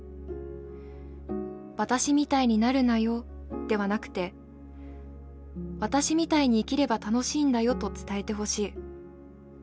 『私みたいになるなよ』ではなくて『私みたいに生きれば楽しいんだよ』と伝えてほしい。